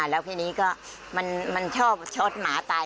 แล้วทีนี้ก็มันชอบช็อตหมาตาย